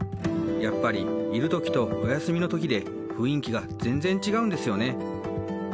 やっぱり、いるときとお休みのときで、雰囲気が全然違うんですよね。